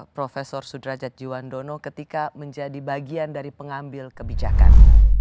prof sudrajat jiwandono ketika menjadi bagian dari pengambil kebijakan